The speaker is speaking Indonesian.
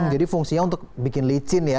jadi fungsinya untuk bikin licin ya